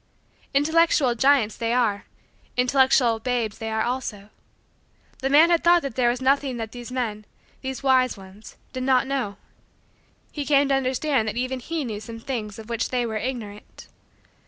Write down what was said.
Intellectual giants they are; intellectual babes they are, also. The man had thought that there was nothing that these men these wise ones did not know. He came to understand that even he knew some things of which they were ignorant.